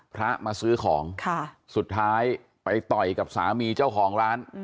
พระมาซื้อของสุดท้ายไปต่อยกับสามีเจ้าของร้าน